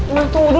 mah tunggu dulu